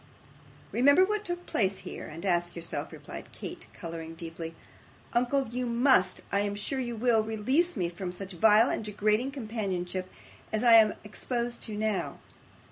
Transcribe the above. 'Remember what took place here, and ask yourself,' replied Kate, colouring deeply. 'Uncle, you must I am sure you will release me from such vile and degrading companionship as I am exposed to now.